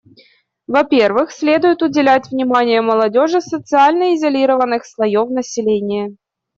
Во-первых, следует уделять внимание молодежи социально изолированных слоев населения.